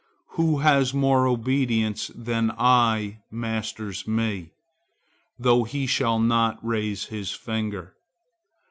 Who has more obedience than I masters me, though he should not raise his finger.